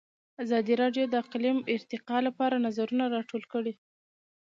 ازادي راډیو د اقلیم د ارتقا لپاره نظرونه راټول کړي.